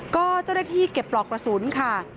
ก็จะได้ที่เก็บปลอกกระสุนค่ะ